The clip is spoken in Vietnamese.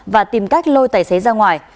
và tìm cách lôi tài xế ra ngoài